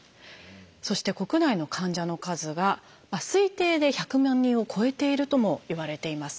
そして国内の患者の数が推定で１００万人を超えているともいわれています。